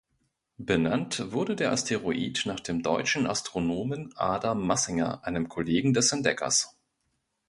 Benannt wurde der Asteroid nach dem deutschen Astronomen Adam Massinger, einem Kollegen des Entdeckers.